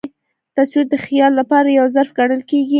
تصویر د خیال له پاره یو ظرف ګڼل کېږي.